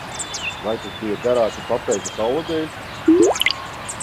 Vai tas bija garāka papēža kaula dēļ?